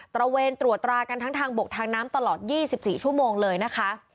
ระเวนตรวจตรากันทั้งทางบกทางน้ำตลอด๒๔ชั่วโมงเลยนะคะ